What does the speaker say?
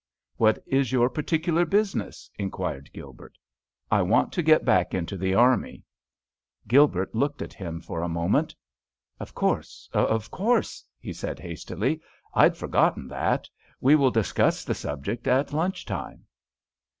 "What is your particular business?" inquired Gilbert. "I want to get back into the army." Gilbert looked at him for a moment. "Of course—of course," he said hastily. "I'd forgotten that; we will discuss the subject at lunch time."